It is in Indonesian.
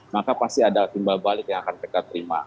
maka pasti ada timbal balik yang akan kita terima